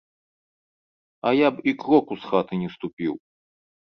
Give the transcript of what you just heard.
А я б і кроку з хаты не ступіў.